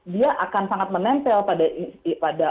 dia akan sangat menempel pada